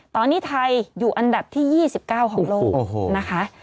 ตอนนี้ไทยอยู่อันดับที่๒๙ของโลกนะคะ